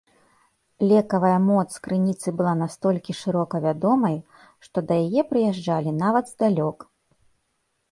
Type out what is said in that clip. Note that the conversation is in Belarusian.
Лекавая моц крыніцы была настолькі шырока вядомай, што да яе прыязджалі нават здалёк.